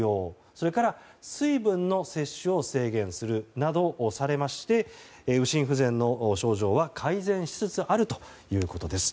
それから水分の摂取の制限をするなどをしまして右心不全の症状は改善しつつあるということです。